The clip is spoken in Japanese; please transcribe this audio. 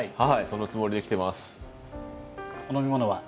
そのつもりで来てます。